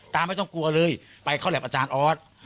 ไม่ต้องกลัวเลยไปเข้าแล็ปอาจารย์ออส